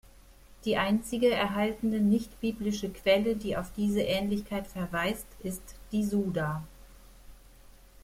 Die einzige erhaltene nicht-biblische Quelle, die auf diese Ähnlichkeit verweist, ist die Suda.